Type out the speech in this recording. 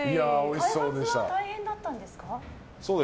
開発は大変だったんですか？